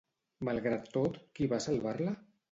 Malgrat tot, qui va salvar-la?